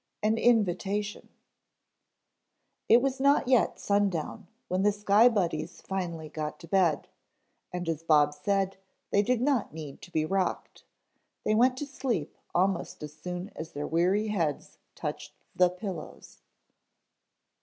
AN INVITATION It was not yet sundown when the Sky Buddies finally got to bed, and as Bob said, they did not need to be rocked; they went to sleep almost as soon as their weary heads touched the pillows.